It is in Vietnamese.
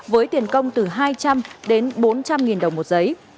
với tiền công từ hai trăm linh đến bốn trăm linh nghìn đồng một giấy